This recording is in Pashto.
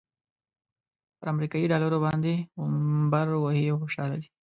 پر امريکايي ډالرو باندې غومبر وهي او خوشحاله دی.